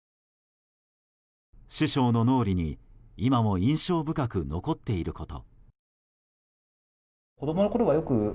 師匠の脳裏に今も印象深く残っていること。